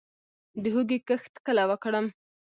د هوږې کښت کله وکړم؟